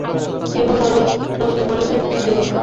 কেহ কোন প্রশ্ন করিলে উত্তর দেন না।